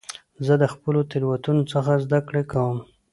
زه د خپلو تېروتنو څخه زده کړه کوم.